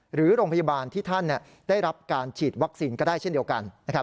หรือโรงพยาบาลที่ท่านได้รับการฉีดวัคซีนก็ได้เช่นเดียวกัน